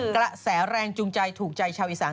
กระแสแรงจูงใจถูกใจชาวอีสาน